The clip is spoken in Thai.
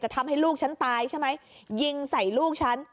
ทำให้ลูกฉันตายใช่ไหมยิงใส่ลูกฉัน